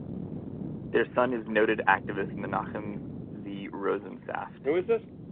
Their son is noted activist Menachem Z. Rosensaft.